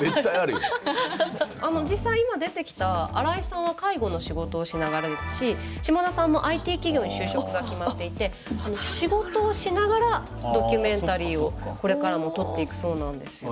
実際今出てきた荒井さんは介護の仕事をしながらですし島田さんもＩＴ企業に就職が決まっていて仕事をしながらドキュメンタリーをこれからも撮っていくそうなんですよ。